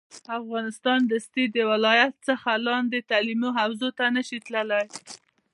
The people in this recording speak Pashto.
افغانستان دستي د ولایت څخه لاندې تعلیمي حوزې ته نه شي تللی